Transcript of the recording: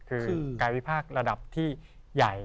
คือการวิพากษ์ระดับที่ใหญ่